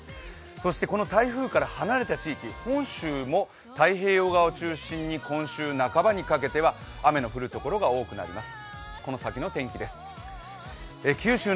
そしてこの台風から離れた地域本州も太平洋側を中心に、今週半ばにかけては雨の降るところが多くなります。